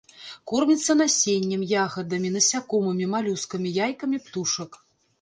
Корміцца насеннем, ягадамі, насякомымі, малюскамі, яйкамі птушак.